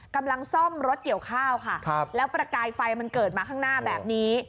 กำลังซ่อมรถเกี่ยวข้าวค่ะแล้วประกายไฟมันเกิดมาข้างหน้าแบบนี้